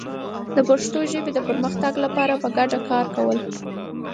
د پښتو ژبې د پرمختګ لپاره په ګډه کار کول